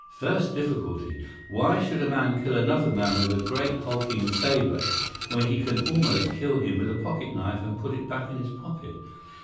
First difficulty: Why should a man kill another man with a great hulking sabre, when he can almost kill him with a pocket knife and put it back in his pocket?